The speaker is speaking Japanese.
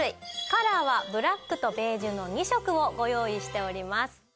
カラーはブラックとベージュの２色をご用意しております。